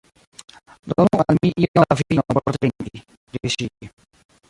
«Donu al mi iom da vino por trinki,» diris ŝi.